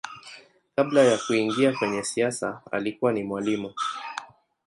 Kabla ya kuingia kwenye siasa alikuwa ni mwalimu.